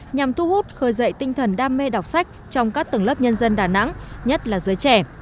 nhằm thu hút khởi dậy tinh thần đam mê đọc sách trong các tầng lớp nhân dân đà nẵng nhất là giới trẻ